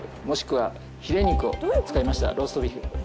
もしくはヒレ肉を使いましたローストビーフ。